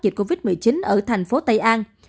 dịch covid một mươi chín ở thành phố tây an